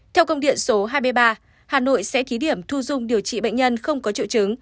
theo công điện số hai mươi ba hà nội sẽ thí điểm thu dung điều trị bệnh nhân không có triệu chứng